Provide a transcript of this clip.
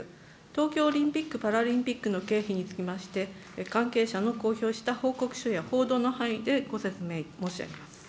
東京オリンピック・パラリンピックの経費につきまして、関係者の公表した報告書や報道の範囲でご説明申し上げます。